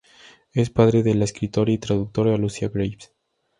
Es padre de la escritora y traductora Lucía Graves.